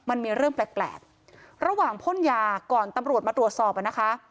มันมีเรื่องแปลกระหว่างพ่นยาก่อนตำรวจมาตรวจสอบอ่ะนะคะ